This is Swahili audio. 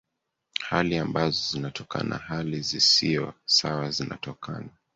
hali ambazo zinatokana hali zisio sawa zinatokana